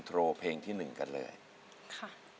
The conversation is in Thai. อินโทรเพลงที่หนึ่งกันเลยนะครับค่ะ